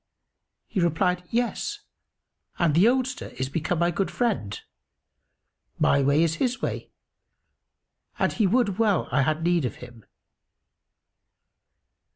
He replied, "Yes, and the oldster is become my good friend: my way is his way and he would well I had need of him."